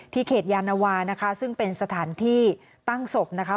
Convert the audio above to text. เขตยานวานะคะซึ่งเป็นสถานที่ตั้งศพนะคะ